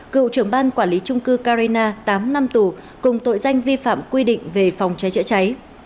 cựu trưởng ban quản lý trung cư carina tám năm tù cùng tội danh vi phạm quy định về phòng cháy chữa cháy